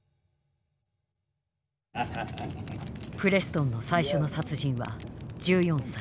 プレストンの最初の殺人は１４歳。